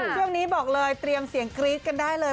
ช่วงนี้บอกเลยเตรียมเสียงกรี๊ดกันได้เลย